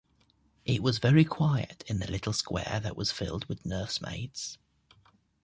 It was very quiet in the little square that was filled with nursemaids.